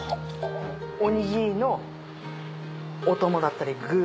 おにぎりのお供だったり具。